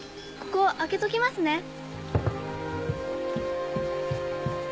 ここ開けときますね。